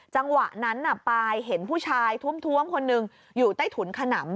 จังหวะนั้นปายเห็นผู้ชายท้วมคนหนึ่งอยู่ใต้ถุนขนำ